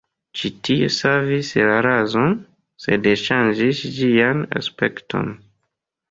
Ĉi tio savis la rason, sed ŝanĝis ĝian aspekton.